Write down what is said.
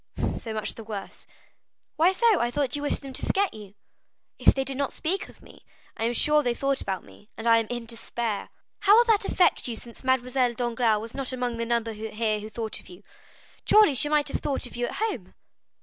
"So much the worse." "Why so? I thought you wished them to forget you?" "If they did not speak of me, I am sure they thought about me, and I am in despair." "How will that affect you, since Mademoiselle Danglars was not among the number here who thought of you? Truly, she might have thought of you at home."